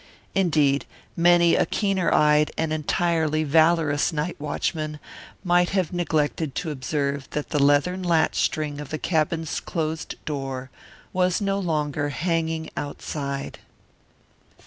Indeed many a keener eyed and entirely valorous night watchman might have neglected to observe that the leathern latch string of the cabin's closed door was no longer hanging outside.